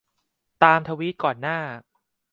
ตามทวีตก่อนหน้า